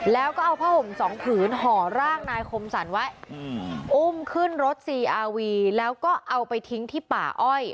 แล้วก็เอาผ้าห่มสองผืนห่อร่างนายคมสรรไว้อุ้มขึ้นรถซีอาวีแล้วก็เอาไปทิ้งที่ป่าอ้อย